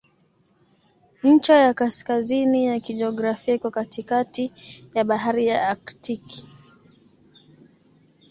Ncha ya kaskazini ya kijiografia iko katikati ya Bahari ya Aktiki.